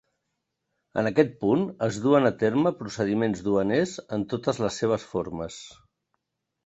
En aquest punt, es duen a terme procediments duaners en totes les seves formes.